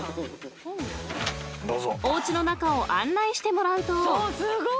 ［おうちの中を案内してもらうと］